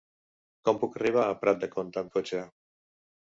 Com puc arribar a Prat de Comte amb cotxe?